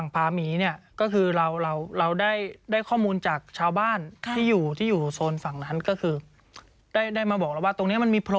เพราะฉะนั้น